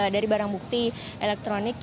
dari barang bukti elektronik